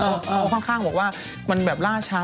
เขาค่อนข้างบอกว่ามันแบบล่าชา